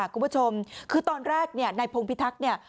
คุณผู้ชมคือตอนแรกเนี่ยนายพงพิทักษ์เนี่ย